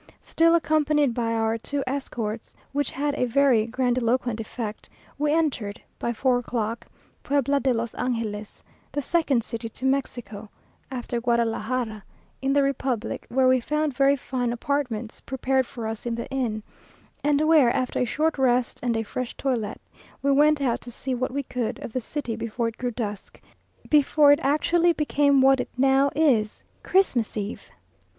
Still accompanied by our two escorts, which had a very grandiloquent effect, we entered, by four o'clock, Puebla de los Angeles, the second city to Mexico (after Guadalajara) in the republic, where we found very fine apartments prepared for us in the inn, and where, after a short rest and a fresh toilet, we went out to see what we could of the city before it grew dusk, before it actually became what it now is, CHRISTMAS EVE!